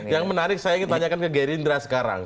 yang menarik saya ingin tanyakan ke gerindra sekarang